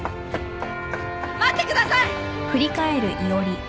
待ってください！